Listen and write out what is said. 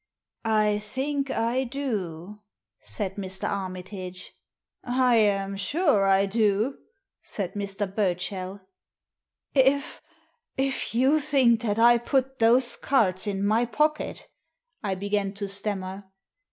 " I think I do," said Mr. Armitage. " I am sure I do," said Mr. Burchell. "If— if you think that I put those cards in my pocket," I began to stammer.